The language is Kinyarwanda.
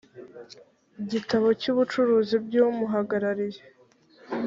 gitabo cy ubucuruzi by umuhagarariye